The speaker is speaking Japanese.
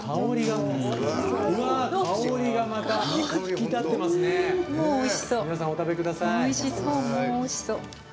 もう、おいしそう！